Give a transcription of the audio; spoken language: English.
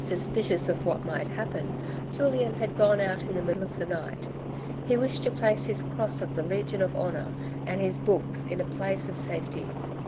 Suspicious of what might happen, Julien had gone out in the middle of the night. He wished to place his Cross of the Legion of Honour and his books in a place of safety.